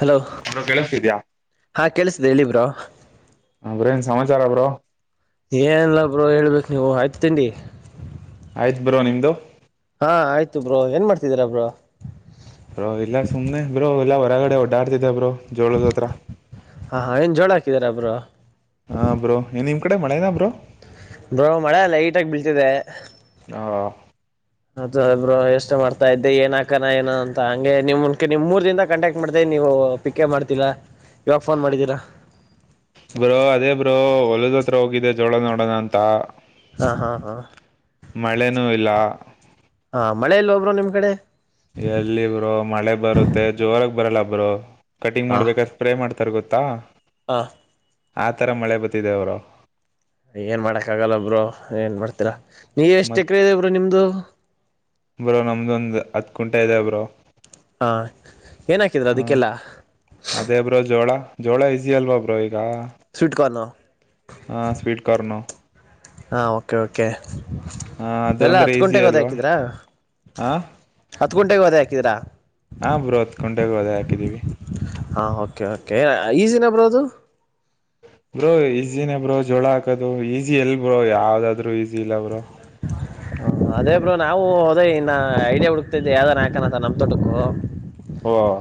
Hello bro ಕೇಳಿಸ್ತಿದ್ಯಾ ಹಾ ಕೇಳಸಿದೆ ಹೇಳಬ್ರಾ ಹ ಬ್ರೋ ಏನ್ ಸಮಾಚಾರ ಬ್ರೋ ಏನ್ಲ್ಲಬ್ರರು ಹೇಳ್ಬೇಕಕ್ ನೀವು ಆಯ್ತ ತಿಂಡಿ ಆಯ್ತ್ ಬರುವ ನಿಮ್ದು ಹಾ ಆಯ್ತು ಬ್ರೋ ಏನ್ ಮಾಡ್ತಿದೀರಾ ಬ್ರೋ ಬೋ ಇಲ್ಲ ಸುಮನೆ ಬ್ರೋ ಎಲ್ಲ ಹೊರಗಡೆ ಓಡಾಡ್ತಿದ್ದ ಬ್ರೋ ಜೋಳದ ಹತ್ರ ಹಾ ಹ ಏನ್ ಜೋಳ ಹಾಕಿದಾರಬರು ಹಾ ಬ್ರೋ ನ್ ನಿಮ್ ಕಡೆ ಮ ಮಾಡೇನಾ ಬ್ರೋ ಬ್ರೋ ಮಳೆ ಲೈಟ್ಗ ಬೀಳ್ತಿದೆ ಹಾ ಅದ ಒಬ್ಬರು ಎಷ್ಟು ಮಾಡ್ತಾ ಇದ್ದೆ ಏನ್ ಹಾಕಾನ ಏನ ಅಂತ ಹಂಗೆ ನಿಮ ಮುನ್ೆ ನಿಮರ್ ದಿಂದ ಕಾಂಟ್ಯಾಕ್ಟ್ ಮಾಡ್ತೇ ನೀವು ಪಿಕೇ ಮಾಡ್ತಿಲ್ಲ ಇವಾಗ ಫೋನ್ ಮಾಡಿದ್ದೀರಾ ಬ್ರೋ ಅದೇ ಬ್ರೋ ಒಳ್ಳ ಹತ್ರ ಹೋಗಿದೆ ಜೋಳ ನೋಡೋಣ ಅಂತ ಹಾ ಹಾ ಹಾ ಮಳೆನೂ ಇಲ್ಲ ಹ ಮಳೆಲ್ಲ ಹಬ್ರು ನಿಮ್ ಕಡೆ ಬರಲ್ಲಬ್ರು ಕಟಿಂಗ್ ಮಾಡ್ಬೇಕ ಸ್ಪ್ರೇ ಮಾಡ್ತಾರ ಗೊತ್ತಾ ಹ ಆ ತರ ಮಳೆ ಬತಿದೆ ಬ್ರೋ ಏನ್ ಮಾಡಕ್ ಆಗಲ್ಲ ಒಬ್ರರು ಏನ್ ಮಾಡ್ತೀರಾ ನೀ ಎಷ್ಟ ಮತ್ ಎಕ್ರಿಯದೆ ಬ್ರೋ ರ ನಿಮ್ದು ಬ್ರೋ ನಮ್ದೊಂದ್ ಹತ್ ಕುಂಟೆ ಇದೆ ಬ್ರೋ ಹಾ ಏನ್ ಹಾಕಿದ್ರ ಹ್ಮ ಅದಕ್ಕೆಲ್ಲ ಅದೇ ಬ್ರೋ ಜೋಳ ಜೋಳ ಈಸಿ ಅಲ್ವಾಬ್್ರೋ ಈಗ ಸ್ವೀಟ್ಕಾರ್ನ್ ಹ ಸ್ವೀಟ್ ಕಾರ್ನು ಹಾ ಓಕೆ ಓಕೆ ಹಾ ಅದು ಎಲ್ಲಾ ಅಂದ್ರೆ ಹತ್ ಈಸಿ ಕುುಂಟೆಗೆ ಹೋದ ಅಲ್ವಾ ಹಾಕಿದಿ್ರಾ ಹ ಹತ್ ಕುುಂಟೆಗೆ ಹೋದ ಹಾಕಿದಿರಾ ಹಾ ಬ್ರಹತ್ ಕುೊಂಡೆಗೆ ಹೋದ ಹಾಕಿದ್ದೀವಿ ಹಾ ಓಕೆ ಕೆ ಈಸಿನ ಬ್ರೋದು ಬ್ರೋ ಈಜಿನೇ ಬ್ರೋ ಜೋಳ ಹಾಕದು ಈಜಿ ಎಲ್ ಬ್ರೋ ಯಾವ್ದಾದ್ರು ಈಜಿ ಇಲ್ಲ ಬ್ರೋ ಹ ಅದೇ ಬ್ರರು ನಾವು ಹೋದ ಇನ್ನ ಐಡಿಯಾ ಹುಡುಕ್ತಿದ್ದೆ ಯಾವ್ದಾರ ಯಾಕನಂತ ನಮ್ ತೊಟಕು ಹಾ [inaudible]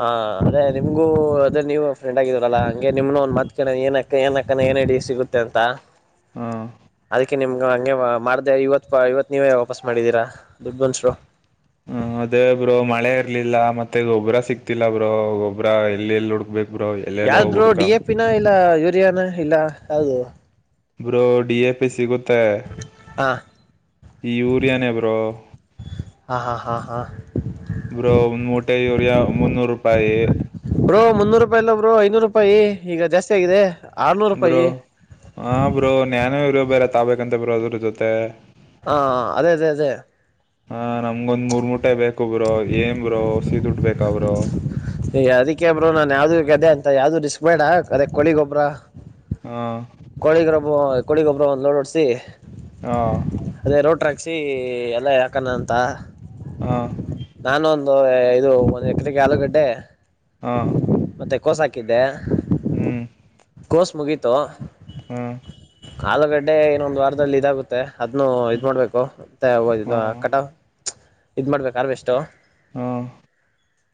ಹಾ ಅದೆ ನಿಮಗೂ ಅದೇ ನೀವು ಫ್ರೆಂಡ್ ಆಗಿದೀರಲ್ಲಾ ಹಂಗೆ ನಿಮ್ನು ಒಂದ್ ಮತ್ ಕಣ ಏನ್ಕ್ಕ ಏನ್ ಅಕ್ಕ ಏನ ನಡಿ ಸಿಗುತ್ತೆ ಅಂತ ಹ್ಮ ಾೆ ನಿಮ್ಗ ಹಂಗೆ ಮಾಡ್ದ ಇವತ್ ಇವತ್ ನೀವೇ ವಾಪಸ್ ಮಾಡಿದೀರಾ ದುಡ್ಡು ಬನ್ಸರು ಹ್ಮ [unintelligible] ಯಾದ್ರರು ಡಿ ಎ ಪಿನ ಇಲ್ಲ ಯೂರಿಯಾನ ಇಲ್ಲ ಯಾವದು ಬಬ್ರು ಡಿ ಎ ಪಿ ಸಿಗುತ್ತ ಮತ್ತೆ ಹಾ ಈ ಯೂರಿಯನ ಬ್ರೋ ಹಾ ಹಾ ಹಾ ಹಾ ಬ್ರೋ ನೂಟಐೋರಿಯಾ ಮುನ್ನೂರು ರೂಪಾಯಿ ರು ಐನೂರು ರೂಪಾಯಿ ಈಗ ಜಾಸ್ತಿ ಆಗಿದೆ ಆರ್ನೂರು ಬ್ರೋ ರೂಪಾಯಿ ಹ ಬ್ರೋ ನ್ನೂ ಇರ ಬೇರೆ ತಬೇಕಂತ ಬ್ರೋ ಅದ್ರ ಜೊತೆ ಹಾ ಅದೇ ಅದೇ ಅದೇ ಹಾ ನಮ್ಗೊಂದ್ ಮೂರ್ ಮುಟೆ ಬೇಕುಬ್ರು ಏನ್್ರರು ಹಸೀ ಡ್ ಬೇಕಬ್ರು ಅದಕ್ಕೆಬ್ರರು ನಾನ್ ಯಾವ್ದು ಅದೇ ಅಂತ ಯಾವ್ದು ರಿಸ್ಕ್ ಬೇಡ ಅದ ಕೊಳಿಗೊಬ್ರ ಆ ಕೊೋಳಿಗ್ರೊಬ ಕೊೋಳಿಗೊಬ್ಬ್ರ ಒಂದು ಲೋಡೋಡ್ಸಿ ಹಾ ಟ ರಕ್ಷಿ ಎಲ್ಲ ಯಾಕಾನ ಅಂತ ಹಾ ಐದು ಮ ಎಕರೆಗೆ ಆಲೂಗಡ್ಡೆ ಹಾ ಕೋಸ ಹಾಕಿದ್ದೆ ಹ್ಮ್ ಕೋಸ್ ಮುಗೀತು ಹ್ಮ್ ಆಲೂಗಡ್ಡೆ ಇನ್ನೊಂದು ಲ್ಲ ವಾರದಲ್ಲಿ ಇದಾಗುತ್ತೆ ಅದನ್ನು ಇದ್ ಮಾಡ್ಬೇಕು ಮತ್ತೆ ಆ ಕಟ ಇದು ಮಾಡ್ಬೇಕು ಅರ್ವೆಷ್ಟು ಹ್ಮ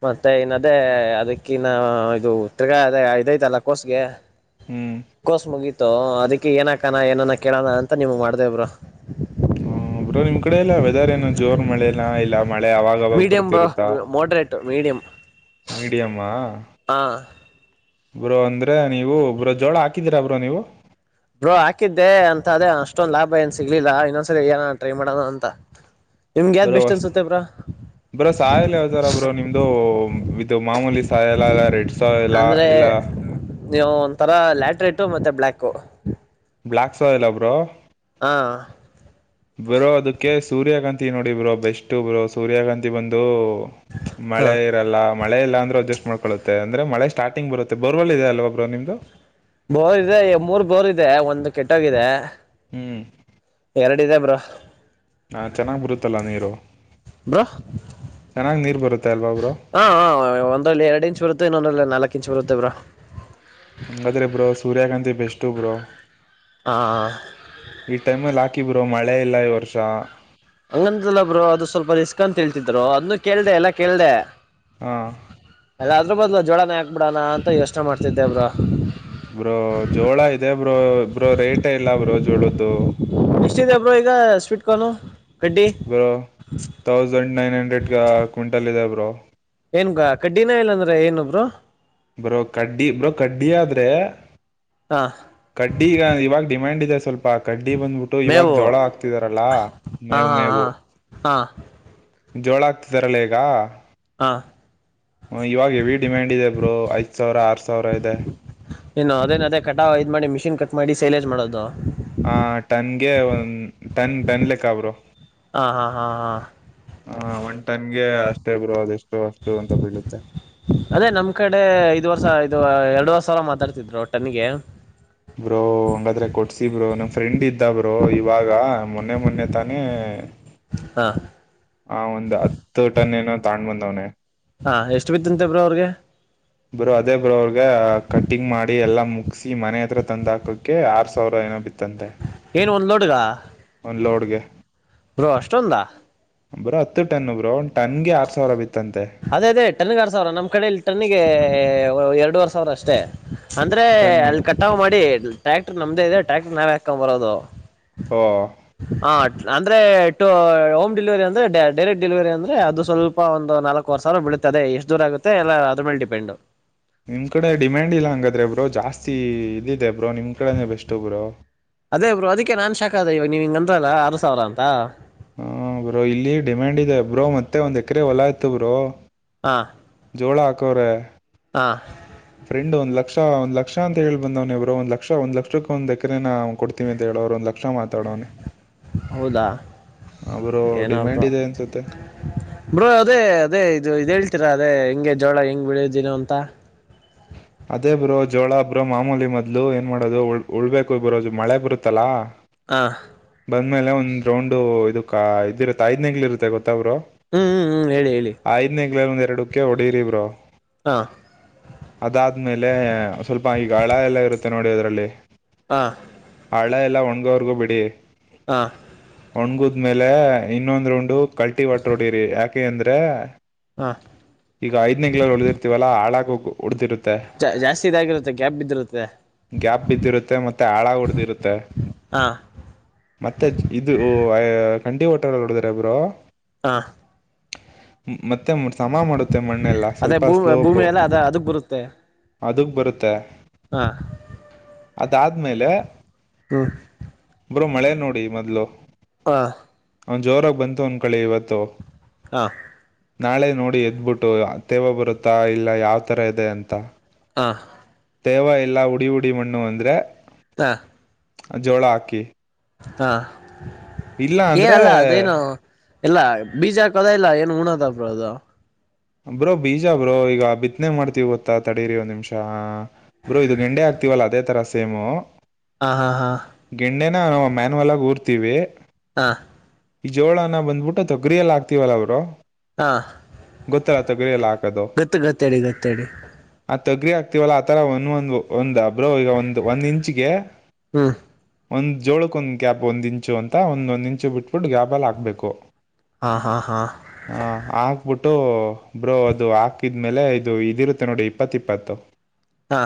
ಮತ್ತೆ ಇನ್ನ ಅದೇ ಅದಕ್ಕನ್ನ ಇದು ತಿರ್ಗಾ ಅದ ಇದೈತಲ್ಲ ಕೋಸ್ಗೆ ಹ್ಮ್ ಕೋಸ್ ಮುಗೀತು ಅದಕ್ಕೆ ಏನಾಕಣ ಏನಾನ ಕೇಳೋಣ ಅಂತ ನಿಮ್ ಮಾಡ್ದೇ ಬ್ರ ಹ್ಮ ಬ್ರೋ ನಿಮ್ ಕಡೆ ಎಲ್ಲ ವೆದರ್ ಏನ ಜೋರ್ ಮಳೆ ಎಲ್ಲ ಇಲ್ಲ ಮಳೆ ಅವಾಗಾವಾಗ ಮೀಡಿಯಂ ಬ್ರೋ ಬರ್ತಿರುತ್ತಾ ಮೋಡ್ರೇಟ್ ಮೀಡಿಯಂ ಮೀಡಿಯಮ್ಮಾ ಹಾ ಬ್ರೋ ಅಂದ್ರೆ ನೀವು ಬ್ರೋ ಜೋಳ ಹಾಕಿದೀರಾ ಬ್ರೋ ನೀವು ಬ್ರೋ ಹಾಕಿದ್ದೆ ಅಂತ ಅದೇ ಅಷ್ಟೊಂದ ಲಾಭ ಏನ್ ಸಿಗ್ಲಿಲ್ಲ ಇನ್ನೊಂದ್ಸರಿ ಏನ ಟ್ರೈ ಮಾಡೋಣ ಅಂತ ನಿಮ್ಗೆ ಯಾವ್ದ್ ಬರೋ ಬೆಸ್ಟ್ ವಸ್ ಅನ್ಸುತ್ತೆ ಬ್ರೋ ಬರೋ ಸಾಯಲ್ಲ ಯಾವತರ ಬರೋ ನಿಮ್ದು ವಿತ್ ಮಾಮೂಲಿ ಸಾಯಾಲಾಲ ರೇಟ್ಸ್ ಅಂದ್ರೆ ನೀವು ಒಂಥರ ಲ್ಯಾಟ್ ರೆಟ್ ಮತ್ತೆ ಬ್ಯಾಕ್ ಬ್ಲಯಾಕ್ ಸೋ ಇಲ್ಲ ಒಬ್ರು ಹಾ ಬರೋ ಅದಕ್ಕೆ ಸೂರ್ಯಕಾಂತಿ ನೋಡಿ ಬ್ರೋ ಬೆಸ್ಟ್ ಬ್ರೋ ಸೂರ್ಯಕಾಂತಿ ಬಂದು ಹಾ ಮಳೆ ಇರಲ್ಲ ಮಳೆ ಇಲ್ಲ ಅಂದ್ರೆ ಅಡ್ಜಸ್ಟ್ ಮಾಡ್ಕೊಳ್ಳುತ್ತೆ ಅಂದ್ರೆ ಮಳೆ ಸ್ಟಾರ್ಟಿಂಗ್ ಬರುತ್ತೆ ಬೊರ್ವೆಲ್ ಇದೆ ಅಲ್ವಾ ಒಬ್ರು ನಿಮ್ದು ಬೋರ್ ಇದೆ ಮೂರ್ ಬೋರ್ ಇದೆ ಒಂದು ಕೆಟ್ಟೋಗಿದೆ ಹ್ಮ್ ರೆಡಿದೆ ಬ್ರೂ ಹಾ ಚೆನ್ನಾಗ್ ಬರುತ್ತಲ್ಲ ನೀರು ಚೆನ್ನಾಗಿ ನೀರು ಬರುತ್ತೆ ಅಲ್ವಾ ಬ್ರೋ ಹ ಒಂದರಲ್ಲಿ ಎರಡ್ ಇಂಚ್ ಬರುತೆ ಇನ್ನೊಂದರಲ್ಲಿ ನಾಲ್ಕು ಇಂಚು ಕಿಂಚಪರುತ ಬ್ರೂ ಹಂಗಾದ್ರಿ ಬ್ರೋ ಸೂರ್ಯಕಾಂತಿ ಬೆಸ್ಟ್ ಬ್ರೋ ಹಾ ಈ ಟೈಮ್ಲ್ಲಿಾ ಹಾಕಿ ಬ್ರರು ಮಳೆ ಇಲ್ಲ ಈ್ ವರ್ಷ ಹಂಗಂತಲ್ಲಬ್ರು ಅದು ಸ್ವಲ್ಪ ರಿಸ್ಕ್ ಅಂತ ಹಳ್ತಿದ್ರು ಅದನ್ನು ಕೇಳ್ದೆ ಎಲ್ಲ ಕೇಳ್ದೆ ಹ್ಮ ಅಲ್ಲದ್ರ ಬದಲು ಜೋಳಾನೇಾಕ್ಬಿಡೋಣ ಅಂತ ಯೋಚನೆ ಮಾಡ್ತಿದ್ದೆ ಅವರು ಬ್ರೋ ಜೋಳ ಇದೆ ಬ್ರೋ ಇಬ್ರೋ ರೇಟ್ ಇಲ್ಲ ಬ್ರೋ ಜೋಳದ್ದು ಇಷ್ಟಿದೆಬ್್ರೋ ಈಗ sweet corn bro thousand nine ಹಂಡ್ರೆಡ್ಗ ಕ್ವಿಂಟಲ್ ಇದೆ ಬ್ರೋ ಏನ್ಗ ಕಡ್ಡಿನ ಇಲ್ಲಾಂದ್ರೆ ಏನೊಬ್ರು ಬ್ರೋ ಕಡ್ಡಿ ಬ್ರೋ ಕಡ್ಡಿ ಆದ್ರೆ ಹಾ ಕಡ್ಡಿ ಈಗ ಇವಾಗ ಡಿಮ್ಯಾಂಡ್ ಇದೆ ಸ್ವಲ್ಪ. ಾ ಕಡ್ಡಿ ಬಂದ್ಬಿಟ್ಟು ಇವಾಗ ಮೇವು ಜೋಳ ಆಕ್ತಿದಾರಲ್ಲಾ ಮೇವು ಮೇವು ಹ ಜೋಳ ಆಗ್ತಿದಾರಲ್ಲ ಈಗ ಇವಾಗ ಹೆವಿ ಡಿಮ್ಯಾಂಡ್ ಇದೆ. ಇಬ್ರು ಐದು ಸಾವಿರ ಆರು ಸಾವಿರ ಇದೆ. ಏನು ಅದೇನ ಅದೇ ಕಟಾ ಇದ ಮಾಡಿ ಮಿಷಿನ್ ಕಟ್ ಮಾಡಿ ಸೇಲ್ೇಜ್ ಮಾಡೋದು ಹ ಟನ್ಗೆ ಒಂದ ಟನ್ ಟನ್ ಲೆಕ್ಕಬ್ರು ಹಾ ಹಾ ಹಾ ಹಾ ಹ ಒಂಟನ್ಗೆ ಅಷ್ಟೇ ಬರುವದುಷ್ಟ ಅದೇ ನಮ್ ಕಡೆ ಐದು ವರ್ಷ ಇದು ಎರಡು ವರ್ಷ ಸರ ಮಾತಾಡ್ತಿದ್ರುಟ್ಟನಿಗೆ ಬ್ರೌ ಹಂಗಾದ್ರೆ ಕೊಡಿ ಸಬ್ರು ನಮ್ಮ್ ಫ್ರೆಂಡ್ ಇದ್ದಬ್ರು ಇವಾಗ ಮೊನ್ನೆ ಮೊನ್ನೆ ತಾನೇ ಹಾ ಹ ಒಂದ್ ಹತ್ತು ಟನ್ ಏನೋ ತಗೊಂಡ್ ಬಂದವನೆ ಹಾ ಎಷ್ಟು ಬತ್ತಂತೆ ಬ್ರೋ ಅವ್ರಿಗೆ ಬ್ರೋ ಅದೇ ಬ್ರೋ ಅವ್ರಗ ಕಟ್ಟಿಂಗ್ ಮಾಡಿ ಎಲ್ಲಾ ಮುಗಿಸಿ ಮನೆ ಹತ್ರ ತಂದ್ ಹಾಕಕ್ಕೆ ಆರ್ ಸಾವಿರ ಏನೋ ಬಿತ್ತ ತ ಹ ಏನ್ ಒಂದ್ ಲೋಡ್ಗ ಒಂದು ಲೋಡಿಗೆ ಬೋ ಅಷ್ಟೊಂದ ಒಬ್್ರರು ಹತ್ತು ಟನ್ಬ್ರು ಒನ್ ಟನ್ಗೆ ಆರ್ ಸಾವಿರ ಇತ್ತು ಅದೇ ಅದೇ ಟನ್ನಗ ಆರ್ ಸಾವಿರ ನಮ್ ಕಡೆಲ್ಲಿ ಟನ್ನಿಗೆ ಎರಡುವರೆ ಸಾವಿರ ಅಷ್ಟೇ. ಅಂದ್ರೆ ಟನ್ಗೆ ಅಲ್ಲಿ ಕಟ್ಟವು ಮಾಡಿ ಟ್ರ್ಯಾಕ್ಟರ್ ನಮ್ದೇ ಇದೆ ಟ್ರ್ಯಾಕ್ಟರ್ ನಾವೇ ಹಾಕೊ ಬರೋದು ಹ ಹಾ ಅಂದ್ರೆ ಟ ಹೋಮ್ ಡಿಲಿವರಿ ಅಂದ್ರೆ ಡೈರೆಕ್ಟ್ ಡಿಲಿವರಿ ಅಂದ್ರೆ ಅದು ಸ್ವಲ್ಪ ಒಂದು ನಾಲ್ಕು ೋರ್ ಸವಿರಾ ಬಳತದೆ ಎಷ್ಟು ದೂರ ಆಗುತ್ತೆಲ್ಲ ಅದ್ರೇಲೆ ಡಿಪೆಂಡ್. ನಿಮ್ ಕಡೆ ಡಿಮ್ಯಾಂಡ್ ಇಲ್ಲ ಹಂಗಾದ್ರೆ ಇಬ್್ರೋ ಜಾಸ್ತಿ ಇದಿದೆ ಬ್ರೋ ನಿಮ್ಮ ಕಡೆನೇ ಬೆಸ್ಟು ಬ್ರೋ ಅದೇ ಬ್ರ ಅದಕ್ಕೆ ನಾನ್ ಶಾಕ್ ಅದ ಇವ ನೀವ್ ಹಿಂಗಂದಲ್ಲ ಆರು ಸಾವಿರ ಅಂತ ಹಾ ಬ್ರೋ ಇಲ್ಲಿ ಡಿಮ್ಯಾಂಡ್ ಇದೆ ಬ್ರೋ ಮತ್ತೆ ಮತ್ತೆ ಒಂದ್ ಎಕರೆ ಹೊಲ ಇಯತ ಬರು ಹಾ ಜೋಳ ಹಾಕವ್ರ ಹಾಂ ಫ್ರೆಂಡ್ ಒಂದ ಲಕ್ಷ ಒಂದ್ ಲಕ್ಷ ಅಂತ ಹೇಳಿ ಬಂದವ್ನವಬ್ರು ಒಂದ್ ಲಕ್ಷ ಒಂದ್ ಲಕ್ಷಕ್ಕ ಒಂದ ಎಕರೆ ನ ಕೊಡ್ತೀವಿ ಅಂತ ಹೇಳಿ ಅವ್ ಒಂದ ಲಕ್ಷ ಮಾತಾಡವನನೆ ಹೌದಾ ಅವರು ಏನೋ ಡಿಮ್ಯಾಂಡ್ ಬ್ರೋ ಇದೆ ಅನ್ಸುತ್ತೆ ಬ್ರೋ ಅದೇ ಅದೇ ಇದು ಇದ್ ಹೇಳ್ತೀರಾ ಅದೇ ಹೆಂಗೆ ಜೋಳ ಹೆಂಗ್ ಬೆಳಿದ್ದೀನ ಅಂತ ಅದೇ ಬ್ರೋ ಜೋಳ ಬ್ರೋ ಮಾಮೂಲಿ ಮದ್ಲು ಏನ್ ಮಾಡೋದು ಉಳ್ಬೇಕು ಬ್ರೋ ಮಳೆ ಬರುತ್ತಲ್ಲಾ ಹಾ ಬಂದ್ಮೇಲೆ ಒಂದ್ ರೌಂಡು ಇದ ಇದಿರುತ್ತೆ ಐದ್ನೇಗ್ಲಿ ಇರುತ್ತೆ ಗೊತ್ತ ಹ್ಮ್ ಹ್ಮ್ ಹ್ಮ್ ಹೇಳಿ ಹೇಳಿ ಐದ್ನಗ್ಲೆ ಒಂದ್ ಎರಡಕ್ಕೆ ಹೊಡರಿ ಬ್ರೋ ಹಾ ಅದಾದ್ಮೇಲೆ ಸ್ವಲ್ಪ ಈಗ ಹಳ ಎಲ್ಲ ಇರುತ್ತೆ ನೋಡಿ ಅದ್ರಲ್ಲಿ ಹ ಎಳ ಎಲ್ಲ ಒಣ್ವರ್ಗೂ ಬಿಡಿ ಹಾ ಒಣಗುದ್ಮೇಲೆ ಇನ್ನೊಂದ್ ರೌಂಡ ಕಲ್ಟಿ ಒಟ್ ರೋಡಿರಿ ಯಾಕೆ ಅಂದ್ರೆ ಹಾ ಈಗ ಐದ್ನಂಗಳಗಳಲ್ಲಿ ಉಳಿದಿರ್ತೀವಲ್ಲಾ ಹಾಳಾಕೋಗು ಜಾಸ್ತಿ ಇದಾಗಿರುತ್ತೆ ಗ್ಯಾಪ್ ಬಿದ್ದಿರುತ್ತೆ ಗ್ಯಾಪ್ ಬಿದ್ದಿರುತ್ತೆ ಮತ್ತೆ ಆಳ ಉಡ್ದಿರುತ್ತೆ ಹಾ ಮತ್ತೆ ಇದು ಖಂಡಿ ಹೋಟಲ್ಲ್ಲಿ ಹೊಡಿದರ ಒಬ್ರು ಹ ಮತ್ತೆ ಶ ಮಾಡುತ್ತೆ ಮಣ್ಣೆಲ್ಲ ಸ್ವಲ್ಪ ಸ್ಲೋಪು ತ್ತೆ ಅದುಕ್ ಬರುತ್ತೆ ಹಾ ಅದಾದ್ಮೇಲೆ ಹ ಬ್ರೋ ಮಳೆ ನೋಡಿ ಮೊದ್ಲು ಹಾ ಅವ್ನ್ ಜೋರಾಗಿ ಬಂತು ಒಂದ ಕಳಿ ಇವತ್ತು ಹಾ ನಾಳೆ ನೋಡಿ ಎದ್ಬಿಟ್ಟು ತೇವ ಬರುತ್ತಾ ಇಲ್ಲ ಯಾವ್ ತರ ಇದೆ ಅಂತ ಆ ಥೇವ ಎಲ್ಲ ಉಡಿ ಉಡಿ ಮಣ್ಣು ಅಂದರೆ ತ್ತ ಜೋಳ ಹಾಕಿ ಹಾ ಇಲ್ಲ ಏನ ಅಂದ್ರೆ ಅಲ್ಲ ಅದೇನು ಇಲ್ಲ ಬೀಜ ಹಾಕದ ಇಲ್ಲ ಏನು ಊಣದ ಬ್ರೋ ಅದು ಬ್ರೋ ಬೀಜ ಬ್ರೋ ಈಗ ಬಿತ್ತನೆ ಮಾಡ್ತೀವಿ ಗೊತ್ತಾ ತಡರಿ ಒಂದ್ ನಿಮಿಷ ಬ್ರೋ ಇದು ಗೆಂಡೆ ಹಾಕ್ತ ತಿ ವಲ್ಲ ಅದೇ ತರ ಸೇಮೋ ಹಾ ಹಾ ಹಾ ಮೆ ನಾವು ಮ್ಯಾನಯುವಲ್ ಆಗಿ ಊರ್ತಿವಿ ಹಾ ಈ ಜೋಳನ ಬಂದ್ಬಿಟ್ಟು ತೊಗ್ರಿಯಯಲ್ಲಿ ಆಗ್ತಿವಲ್ಲ ಅವರು ಹಾ ಗೊತ್ತಲತ್ತ [unintelligible] ಗತ್ತು ಗತ್ತೇಡಿ ಗತ್ತೇಡಿ ತಗ್ರಿ ಆಗ್ತಿವಲ್ಲ ಆತರ ಒಂದೊಂದ ಒಂದ್ ಅಬ್ರೋ ಈಗ ಒಂದು ಒಂದ್ ಇಂಚ್ಗೆ ಹ್ಮ್ ಒಂದು ಜೋಳಕ್ಕೆ ಒಂದು ಗ್ಯಾಪ್ ಒಂದು ಇಂಚು ಅಂತ ಒಂದೊಂದು ಇಂಚು ಬಿಟ್ಬಿಟ್ಟು ಗ್ಯಾಪಲ್ಲಿ ಹಾಕ್ಬೇಕು ಹಾ ಹಾ ಹಾ ಹಾ ಆಗ್ಬಿಟ್ಟು ಟ್ಟು ಬ್ರೋ ಅದು ಹಾಕಿದ್ಮೇಲೆ ಇದು ಇದಿರುತ್ತೆ ನೋಡಿ ಇಪ್ಪತ್ ಇಪ್ಪತ್ತು ಹಾ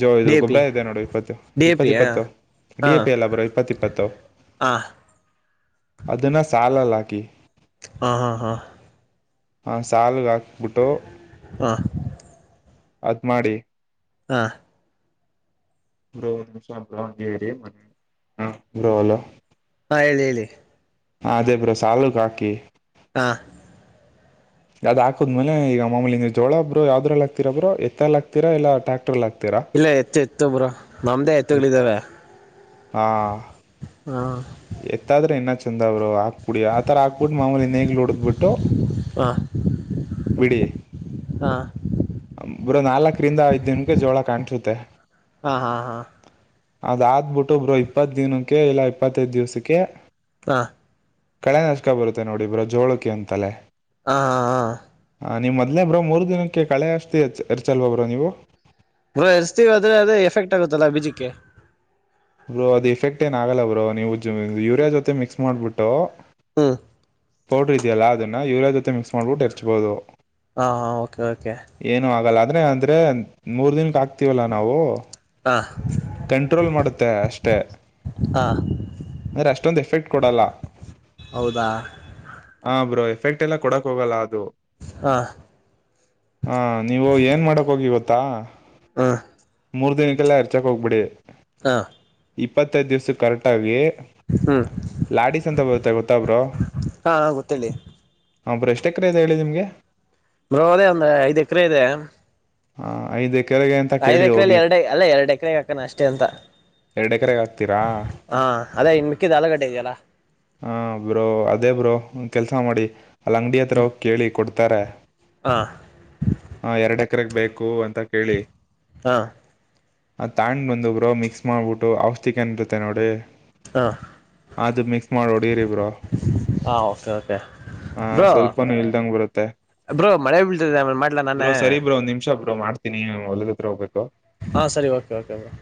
ಜೋ ಇದು ಡಿ ಎ ಪಿ ಗೊಬ್ಬರ ಇದೆ ನೋಡು ಇಪ್ಪತ್ತು ಡಿ ಎ ಪಿ ಇಪ್ಪತ್ತ ಇಪ್ಪತ್ತು ಡಿ ಎ ಹಾಂ ಪಿ ಎಲ್ಲ ಬರೋ ಇಪ್ಪತ್ತ ಇಪ್ಪತ್ತು [unintelligible] ಅದನ್ನ ಸಾಲಲ್ಲ ಹಾಕಿ ಹಾ ಹಾ ಹಾ ಹ ಸಾಲುಗ ಹಾಕ್ಬಿಟ್ಟು ಹಾಂ ಹಾಂ ಅದ್ ಮಾಡಿ ಹಾ ಗೋ ನಿಮಷಪಲ ಹೇಳರಿ ಮನೆ ಹ್ಮ ಗೋಲ ಹಾ ಹೇಳಿ ಹೇಳಿ ಹ ಅದೇ ಬ್ರೋ ಸಾಲುಕ ಹಾಕಿ ಹಾ ಅದ್ ಹಕದ್ಮೇಲೆ ಈಗ ಅಮಲಿ ಜೋಲಾ ಬ್ರು ಯಾವದ್ರಲ್ಲ ಹಕ್ತಿರ ಬ್ರ ಎತ್ತ ಎ ಹ ಆತತಿರಾಲ್ಲಾ ಟ್ಯಾಕ್ಟರ್ಲ್ ಆಕ್ತಿರ ಇಲ್ಲ ಎತ್ತು ಎತ್ತು ಬರು ನಮ್ದೇ ಎತ್ತುಗಳಿದಾವ ಹಾ ಎತ್ತಾದ್ರೆ ಇನ್ನ ಅವ್ರು ಹಾಕ್ಬಿಡಿ ಆ ತರ ಹಾಕ್ಬಿಟ್ಟು ಮಾಮೂಲಿ ನೇಗ್ಲು ಉಡದ್ ಬಿಿಟ್ಟು ಹಾಂ ಬಿಡಿ ಹಾಂ ಬರೋ ನಾಲ್ಕ ಕ್ರಿಂದ ವ್ದನಕ್ಕೆ ಜೋಳ ಕಾಣಿಸುತ್ತೆ ಹಾಂ ಹಾಂ ಹಾಂ ಅದಾದ್ಬಿಟ್ಟು ಒಬ್ರು ಇಪ್ಪತ್ ದಿನಕ್ಕೆ ಇಲ್ಲಾ ಇಪ್ಪತ್ತೈದ್ ದಿವ್ಸಕ್ಕೆ ಕಹ ಕಳೆ ನಶಕ ಬರುತ್ತೆ ನೋಡಿ ಇಬ್್ರ ಜೋಳಕಿ ಅಂತಲೆೇ ಹಾ ಹಾ ಹಾಂ ನೀವು ಮೊದಲೇ ಬ್ರೋ ಮೂರು ದಿನಕ್ಕೆಳೆ ಅಾತಿ ಎಚ್ಚ ಎರಚಲ್ವಾ ಬ್ರೋ ನೀವು ಬ್ರ ಎಸ್ತೀವಿ ಆದ್ರೆ ಅದೇ ಎಫೆಕ್ಟ್ ಆಗುತ್ತಲ್ಲಾ ಬೀಜಕ್ಕೆ ಬ್ರೋ ಅದ್ ಇಫೆಕ್ಟ್ ಏನ ಆಗಲ್ಲ ಬ್ರೋ ನೀವು ಯುರಿಯಾ ಜೊತೆ ಮಿಕ್ಸ್ ಮಾಡ್ಬಿಟ್ಟು [unintelligible] ಹೂ ಪೌಡ್ರ ಇದೆಯಲ್ಲ ಅದನ್ನ ಯೂರಿಯಾ ಜೊತೆ ಮಿಕ್ಸ್ ಮಾಡ್ಬಿಟ್ಟು ಎರ್ಚಬಹುದು. ಹಾ ಹ ಓಕೆ ಓಕೆ ಅದನ್ನೇ ಅಂದ್ರೆ ಮೂರ್ ದಿನಕ್ಕ ಆಕ್ತಿವಲ್ಲಾ ನಾವು ಹಾಂ ಕಂಟ್ರೋಲ್ ಮಾಡುತ್ತೆ ಅಷ್ಟೆ ಹಾಂ ಅಂದ್ರೆ ಅಷ್ಟೊಂದು ಎಫೆಕ್ಟ್ ಕೊಡಲ್ಲ ಹೌದಾ ಹ ಬ್ರೋ ಎಫೆಕ್ಟ್ ಎಲ್ಲ ಕೊಡಕ್ ಹೋಗಲ್ಲ ಅದು ಹಾಂ ಹ ನೀವು ಏನ್ ಮಾಡಕ್ ಹೋಗಿ ಇವತ್ತು [unintelligible] ಹ ಮೂರು ದಿನಕ್ಕೆಲ್ಲ ಅರ್ಚಕ್ ಹೋಗ್ಬಿಡಿ. ಹಾ ಇಪ್ಪತ್ತೈದು ದಿವ್ಸ ಕರೆಕ್ಟ್ ಆಗಿ ಹ್ಞೂ ಲಾಡಿಸ್ ಅಂತ ಬರುತ್ತೆ ಗೊತ್ತಾ ಬ್ರೋ ಹಾಂ ಗೊತ್ತೇಳಿ ಹ ಬ್ರೊ ಎಷ್ಟ ಎಕರೆ ಇದೆ ಹೇಳಿ ನಿಮ್ಗೆ ಬ್ರೋ ಅದೇ ಒಂದ್ ಐದ್ ಎಕರೆ ಇದೆ ಹಾ ಐದ [unintelligible] ಐದ್ ಎಕರೆೆಯಲ್ಲಿ ಎರಡ ಅಲ್ಲ ಎರಡು ಎಕರೆಗೆ ಹಾಕಣ ಅಷ್ಟೇ ಅಂತ. ಎರಡ್ ಎಕರೆಗೆ ಹಾಕ್ತೀರಾ ಹಾ ಅದೇ ಇನ್ ಮಿಕ್ಕಿದ ಆಲೂಗಡ್ಡೆ ಇದೆಯಲ್ಲ. ಹ ಬ್ರೋ ಅದೇ ಬ್ರೋ ಒಂದ್ ಕೆಲ್ಸ ಮಾಡಿ ಅಲ್ಲಿ ಅಂಗಡಿ ಹತ್ರ ಹೋಗಿ ಕೇಳಿ ಕೊಡ್ತಾರೆ. ಹಾ ಹಾ ಎರಡ್ ಎಕರೆಗೆ ಬೇಕು ಅಂತ ಕೇಳಿ ಹಾ ಅದ ತಗೊಂಡ್ ಬಂದು ಬ್ರೋ ಮಿಕ್ಸ್ ಮಾಡ್ಬಿಟ್ಟು ಔಷಧಿ ಗಂತ ಇರುತ್ತೆ ನೋಡಿ ಹಾ ಅದು ಮಿಕ್ಸ್ ಮಾಡಿ ಹೊಡಿರಿ ಬ್ರೋ ಹಾ ಓಕೆ ಓಕೆ ಹ ಬ್ರೋ ಸ್ವಲ್ಪನೂ ಇಲ್ದಂಗ್ ಬರುತ್ತೆ ಬ್ರೋ ಮಳೆ ಬೀಳ್ತಿದೆ ಆಮೇಲೆ ಮಾಡ್ಲಾ ನಾನೇ ಸೂರ್ ಬ್ರೋ ಮಾಡ್ತೀನಿ ನಾನು ಹೊಲದ ಹತ್ರ ಹೋಗ್ಬೇಕು. ಹಾ ಸರಿ ಓಕೆ ಓಕೆ ಬ್ರೋ